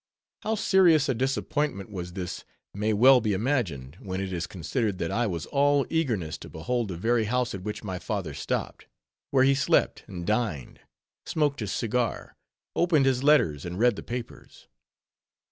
How serious a disappointment was this may well be imagined, when it is considered that I was all eagerness to behold the very house at which my father stopped; where he slept and dined, smoked his cigar, opened his letters, and read the papers.